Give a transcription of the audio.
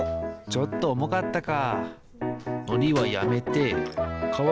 ちょっとおもかったね。